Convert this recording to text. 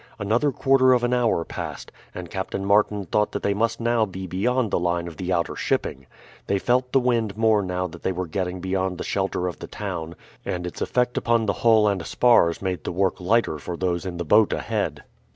Another quarter of an hour passed, and Captain Martin thought that they must now be beyond the line of the outer shipping. They felt the wind more now that they were getting beyond the shelter of the town, and its effect upon the hull and spars made the work lighter for those in the boat ahead.